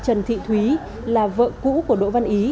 trần thị thúy là vợ cũ của đỗ văn ý